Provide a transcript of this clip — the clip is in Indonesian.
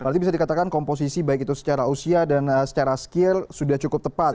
berarti bisa dikatakan komposisi baik itu secara usia dan secara skill sudah cukup tepat